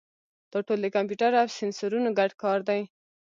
دا ټول د کمپیوټر او سینسرونو ګډ کار دی.